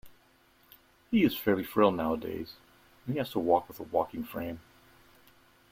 He is fairly frail nowadays, and has to walk with a walking frame